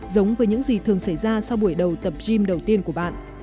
giống với những gì thường xảy ra sau buổi đầu tập gym đầu tiên của bạn